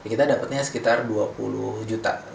kita dapatnya sekitar dua puluh juta